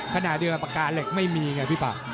ขณะเดียวปากกาเหล็กไม่มีไงพี่ปาก